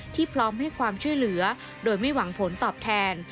พร้อมให้ความช่วยเหลือโดยไม่หวังผลตอบแทน